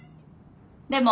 でも。